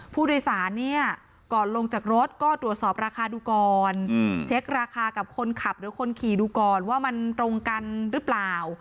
ผู้โดยสารเนี่ยก่อนลงจากรถก็ตรวจสอบราคาดูก่อนเช็คราคากับคนขับหรือคนขี่ดูก่อนว่ามันตรงกันหรือเปล่า